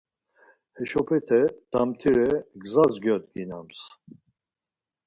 Heşopete damtire gza gyoǩidams